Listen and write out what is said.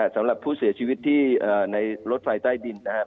สำหรับผู้เสียชีวิตที่ในรถไฟใต้ดินนะครับ